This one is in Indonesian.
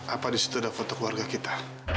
apa di situ ada foto keluarga kita